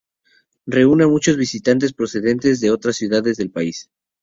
Reúne a muchos visitantes procedentes de otras ciudades del país.